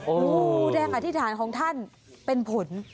โอ้โหแรงอธิษฐานของท่านเป็นผล